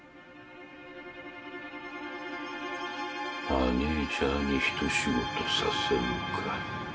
マネジャーに一仕事させるか。